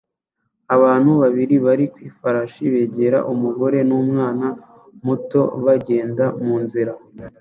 Abantu babiri bari ku ifarashi begera umugore n'umwana muto bagenda munzira